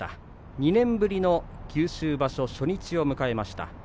２年ぶりの九州場所初日を迎えました。